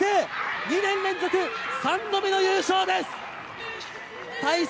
２年連続３度目の優勝です！